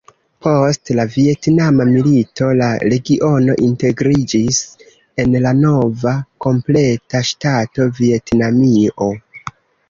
Post la Vjetnama Milito la regiono integriĝis en la nova kompleta ŝtato Vjetnamio.